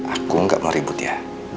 aku nggak mau ribut ya